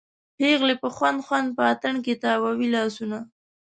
پیغلې په خوند خوند په اتڼ کې تاووي لاسونه